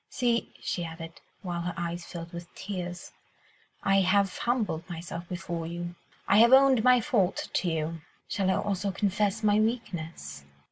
See," she added, while her eyes filled with tears, "I have humbled myself before you, I have owned my fault to you; shall I also confess my weakness?